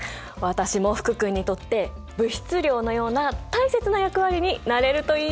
私も福君にとって物質量のような大切な役割になれるといいなあ！